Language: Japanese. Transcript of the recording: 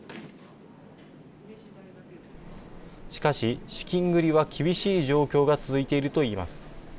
しかし、資金繰りは厳しい状況が続いているといいます。